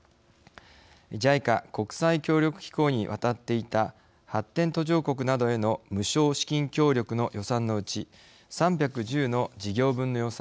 ＪＩＣＡ＝国際協力機構に渡っていた発展途上国などへの無償資金協力の予算のうち３１０の事業分の予算